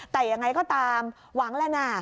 แต่ยังไงก็ตามหวังแล้วนะ